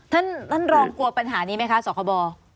ท่านรองกลัวปัญหานี้ไหมคะสคบ